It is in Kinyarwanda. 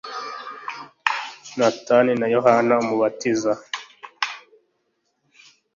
Natani na Yohana Umubatiza